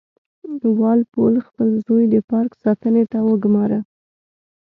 وال پول خپل زوی د پارک ساتنې ته وګوماره.